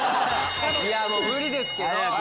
もう無理ですけど。